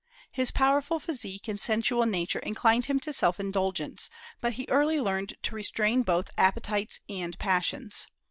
His powerful physique and sensual nature inclined him to self indulgence, but he early learned to restrain both appetites and passions.